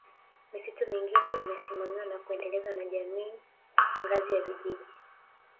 Misitu mingine inasimamiwa na kuendelezwa na Jamii ngazi ya Vijiji